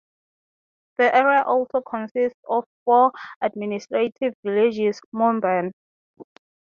The area also consists of four administrative villages ("muban").